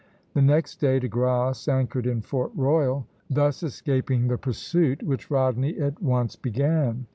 The next day De Grasse anchored in Fort Royal, thus escaping the pursuit which Rodney at once began.